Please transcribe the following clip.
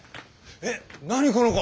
え何この子？